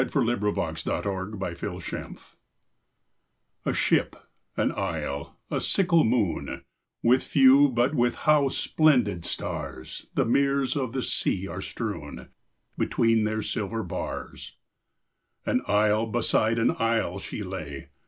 174 A Ship^ an Isle, a Sickle Moon A ship, an isle, a sickle moon — With few but with how splendid stars The mirrors of the sea are strewn Between their silver bars ! An isle beside an isle she lay.